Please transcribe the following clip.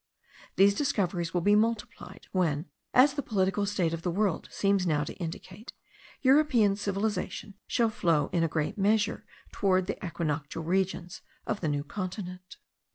These discoveries will be multiplied, when, as the political state of the world seems now to indicate, European civilization shall flow in a great measure toward the equinoctial regions of the New Continent.